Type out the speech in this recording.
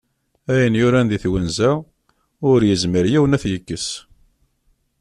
Ayen yuran deg twenza, ur yezmir yiwen ad t-yekkes.